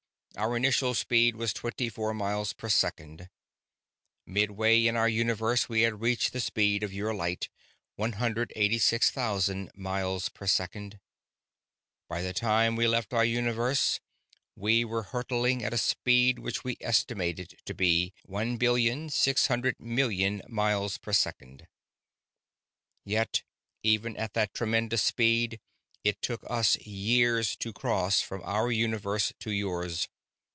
"Our initial speed was twenty four miles per second. Midway in our universe we had reached the speed of your light 186,000 miles per second. By the time we left our universe, we were hurtling at a speed which we estimated to be 1,600,000,000 miles per second. Yet even at that tremendous speed, it took us years to cross from our universe to yours.